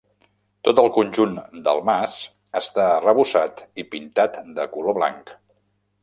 Tot el conjunt del mas està arrebossat i pintat de color blanc.